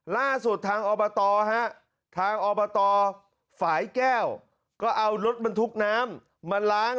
ล่าสุดทางอบตฮะทางอบตฝ่ายแก้วก็เอารถบรรทุกน้ำมาล้าง